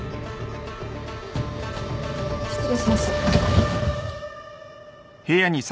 失礼します。